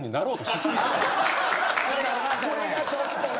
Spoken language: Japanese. これがちょっとね。